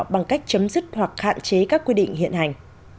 bằng cách chấm dứt hoặc hạn chế các quy định hiện hành